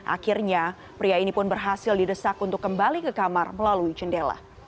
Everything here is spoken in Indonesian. akhirnya pria ini pun berhasil didesak untuk kembali ke kamar melalui jendela